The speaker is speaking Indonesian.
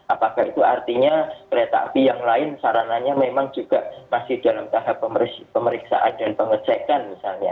apakah itu artinya kereta api yang lain sarananya memang juga masih dalam tahap pemeriksaan dan pengecekan misalnya